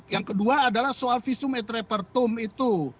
yang kedua adalah soal visum et repertum itu